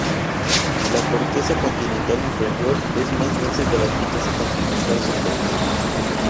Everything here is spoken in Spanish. La corteza continental inferior es más densa que la corteza continental superior.